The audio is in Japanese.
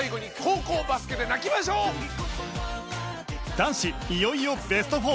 男子、いよいよベスト４！